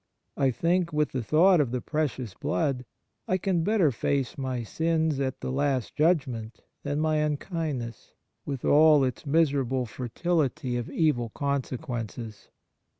I think, with the thought of the Precious Blood, I can better face my sins at the last judgment than my unkindness, with all its miserable fertility of evil consequences.